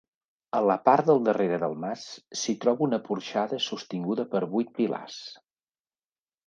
A la part del darrere del mas s'hi troba una porxada sostinguda per vuit pilars.